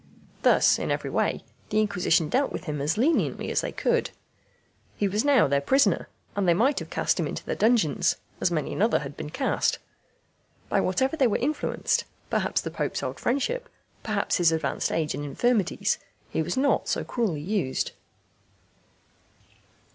Thus in every way the Inquisition dealt with him as leniently as they could. He was now their prisoner, and they might have cast him into their dungeons, as many another had been cast. By whatever they were influenced perhaps the Pope's old friendship, perhaps his advanced age and infirmities he was not so cruelly used.